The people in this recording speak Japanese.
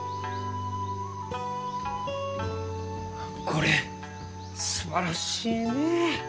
これすばらしいね。